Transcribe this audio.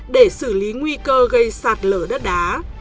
để xử lý nguy cơ gây sạt lở đất đá